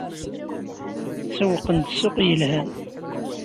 Sewwqen-d ssuq yelhan.